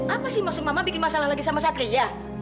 apa sih maksud mama bikin masalah lagi sama satria